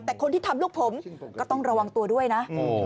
แต่คนที่ทำลูกผมก็ต้องระวังตัวด้วยนะ